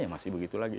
ya masih begitu lagi